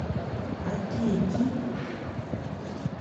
Ácí e cí.